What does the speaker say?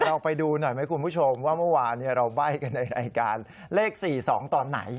เราไปดูหน่อยไหมคุณผู้ชมว่าเมื่อวานเราใบ้กันในรายการเลข๔๒ตอนไหน